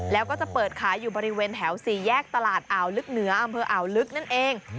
แล้วก็จะเปิดขายอยู่บริเวณแถว๔แยกตลาดอ่าวลึกเหนืออำเภออ่าวลึกนั่นเอง